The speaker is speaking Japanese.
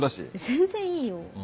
全然いいよ。